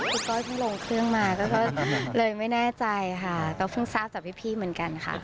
คุณก้อยเพิ่งลงเครื่องมาก็เลยไม่แน่ใจค่ะก็เพิ่งทราบจากพี่เหมือนกันค่ะ